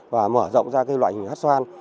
và mở rộng ra các loại hát xoan